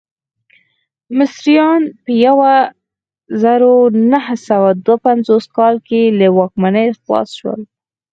مصریان په یو زرو نهه سوه دوه پنځوس کال کې له واکمنۍ خلاص شول.